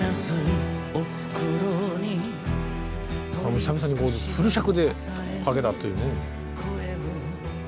久々にフル尺でかけたというね。